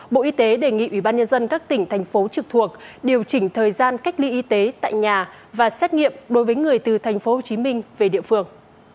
bộ y tế đề nghị ủy ban nhân dân các tỉnh thành phố trực thuộc điều chỉnh thời gian cách ly y tế tại nhà và xét nghiệm đối với người từ thành phố hồ chí minh về địa phương